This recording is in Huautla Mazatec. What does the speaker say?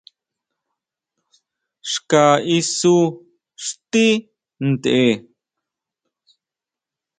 Xka isú xtí tʼen.